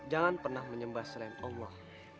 jangan pernah menyembah serem allah